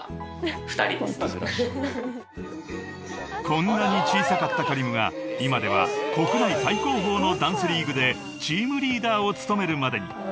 ［こんなに小さかったＫａｒｉｍが今では国内最高峰のダンスリーグでチームリーダーを務めるまでに］